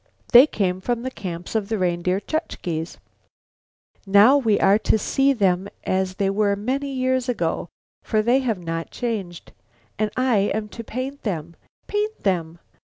They came from the camps of the Reindeer Chukches. And now we are to see them as they were many years ago, for they have not changed. And I am to paint them! Paint them!